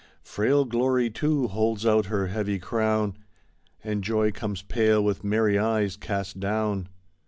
Frail Glory, too, holds out her heavy crown. And Joy comes pale with merry eyes cast down.